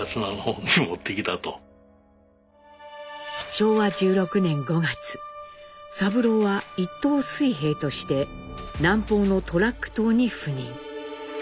昭和１６年５月三郎は一等水兵として南方のトラック島に赴任。